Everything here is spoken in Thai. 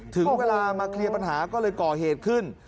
ถึงเวลามาเคลียร์ปัญหาก็เลยก่อเหตุขึ้น